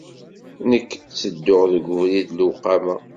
Nekk, ttedduɣ deg ubrid n lewqama.